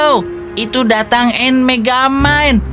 oh itu datang anne megamind